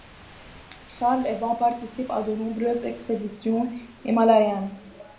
Charles Evans participe à de nombreuses expéditions himalayennes.